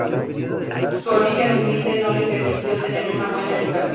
Su origen humilde no le permitió tener una buena educación.